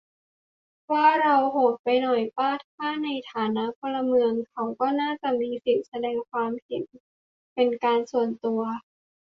เราว่าโหดไปหน่อยป่ะ ถ้าในฐานะพลเมือง เขาก็น่าจะมีสิทธิแสดงความคิดเห็นเป็นการส่วนตัว